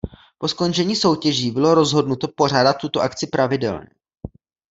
Po skončení soutěží bylo rozhodnuto pořádat tuto akci pravidelně.